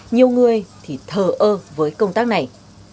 nhiều người thì thờ ơ với công tác này